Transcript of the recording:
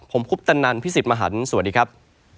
ผมคุปตันนันพี่สิทธิ์มหันฯสวัสดีครับ